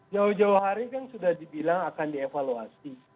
jauh jauh hari kan sudah dibilang akan dievaluasi